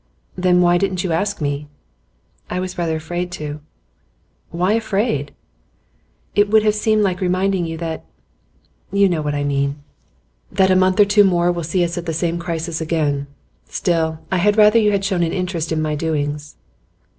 'Then why didn't you ask me?' 'I was rather afraid to.' 'Why afraid?' 'It would have seemed like reminding you that you know what I mean.' 'That a month or two more will see us at the same crisis again. Still, I had rather you had shown an interest in my doings.